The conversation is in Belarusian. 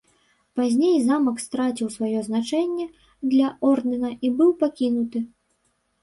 Пазней замак страціў сваё значэнне для ордэна і быў пакінуты.